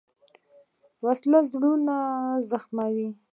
وسله زړه زخموي